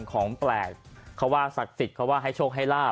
ของแปลกเขาว่าศักดิ์สิทธิ์เขาว่าให้โชคให้ลาบ